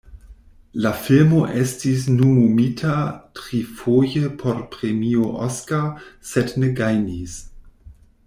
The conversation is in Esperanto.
La filmo estis nomumita trifoje por Premio Oskar, sed ne gajnis.